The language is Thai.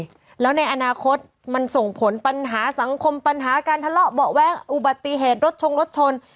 แล้วในอนาคตมันส่งผลปัญหาสังคมปัญหาการทะเลาะเบาะแว้งอุบัติเหตุรถชงรถชน